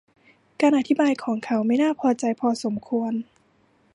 การอธิบายของเขาไม่น่าพอใจพอสมควร